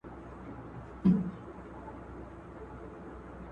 کثافات په تړلي کڅوړه کې کېږدئ.